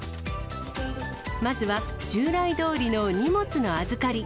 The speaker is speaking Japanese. まずは従来どおりの荷物の預かり。